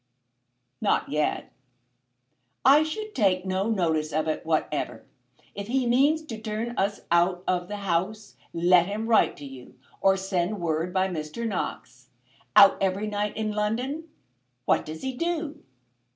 "Not yet." "I should take no notice of it whatever. If he means to turn us out of the house let him write to you, or send word by Mr. Knox. Out every night in London! What does he do?"